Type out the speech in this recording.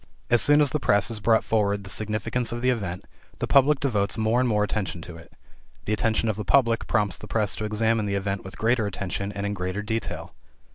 As soon as the press has brought forward the significance of the event, the public devotes more and more attention to it. The attention of the public prompts the press to examine the event with greater attention and in greater detail.